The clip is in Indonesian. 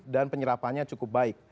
dan penyerapannya cukup baik